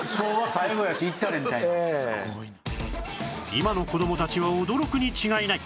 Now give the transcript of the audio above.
今の子供たちは驚くに違いない